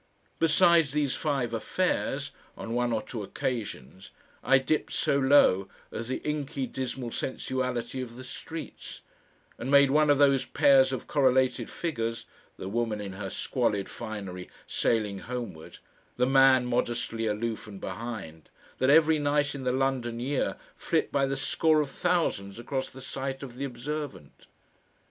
Besides these five "affairs," on one or two occasions I dipped so low as the inky dismal sensuality of the streets, and made one of those pairs of correlated figures, the woman in her squalid finery sailing homeward, the man modestly aloof and behind, that every night in the London year flit by the score of thousands across the sight of the observant....